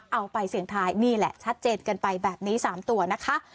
เอาไปเสี่ยงท้ายนี่แหละชัดเจนกันไปแบบนี้๓ตัวนะคะ